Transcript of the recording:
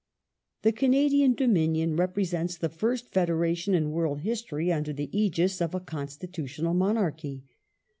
The Canadian Dominion reprfesents the first Federation, in Features world history, under the aegis of a Constitutional Monarchy.